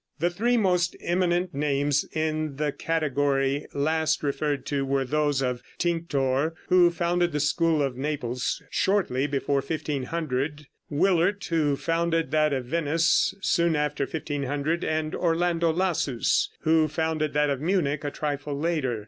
The three most eminent names in the category last referred to were those of Tinctor, who founded the school of Naples shortly before 1500; Willaert, who founded that of Venice soon after 1500, and Orlando Lassus, who founded that of Munich a trifle later.